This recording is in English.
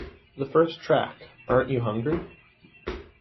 The first track, Aren't You Hungry?